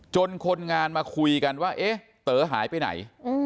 คนงานมาคุยกันว่าเอ๊ะเต๋อหายไปไหน